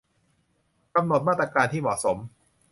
กำหนดมาตรการที่เหมาะสม